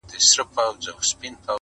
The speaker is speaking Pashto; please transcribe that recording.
جګه لوړه ګل اندامه تکه سپینه٫